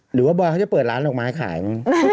บอยเขาจะเปิดร้านดอกไม้ขายมั้ง